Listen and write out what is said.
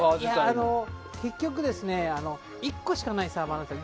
結局、１個しかないサーバーなんですよ。